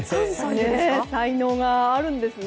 才能があるんですね。